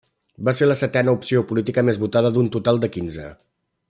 Va ser la setena opció política més votada d'un total de quinze.